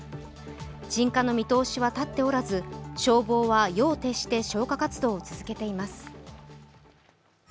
鎮火の見通しは立っておらず消防は夜を徹して消火活動を続けています。